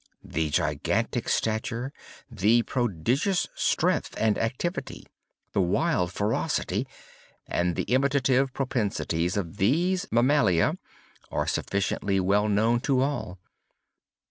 The gigantic stature, the prodigious strength and activity, the wild ferocity, and the imitative propensities of these mammalia are sufficiently well known to all.